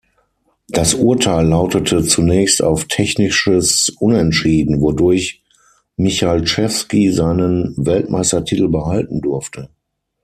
Das Urteil lautete zunächst auf „Technisches Unentschieden“, wodurch Michalczewski seinen Weltmeistertitel behalten durfte.